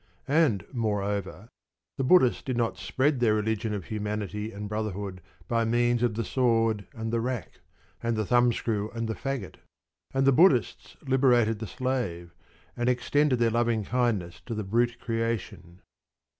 And, moreover, the Buddhists did not spread their religion of humanity and brotherhood by means of the sword, and the rack, and the thumb screw, and the faggot; and the Buddhists liberated the slave, and extended their loving kindness to the brute creation.